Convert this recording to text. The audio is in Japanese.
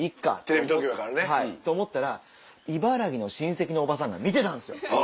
テレビ東京やからね。と思ったら茨城の親戚のおばさんが見てたんですよ。